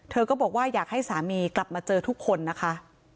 ก็บอกว่าอยากให้สามีกลับมาเจอทุกคนนะคะ